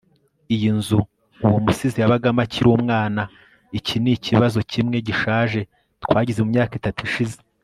iyi ni inzu uwo musizi yabagamo akiri umwana iki nikibazo kimwe gishaje twagize mumyaka itatu ishize